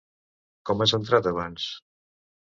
Com has entrat abans?